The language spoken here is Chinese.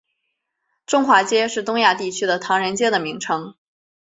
中华街是东亚地区的唐人街的名称。